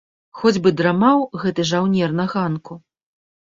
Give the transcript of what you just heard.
Хоць бы драмаў гэты жаўнер на ганку.